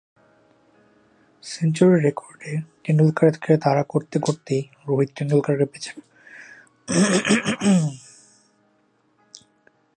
সেঞ্চুরির রেকর্ডে টেন্ডুলকারকে তাড়া করতে করতেই রোহিত টেন্ডুলকারকে পেছনে ফেলেছেন অন্য একটি ক্ষেত্রেও।